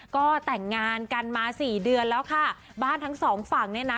ก็แต่งงานกันมาสี่เดือนแล้วค่ะบ้านทั้งสองฝั่งเนี่ยนะ